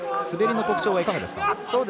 滑りの特徴はいかがですか？